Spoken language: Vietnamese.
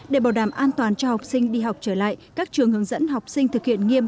để bảo đảm an toàn cho học sinh đi học trở lại các trường hướng dẫn học sinh thực hiện nghiêm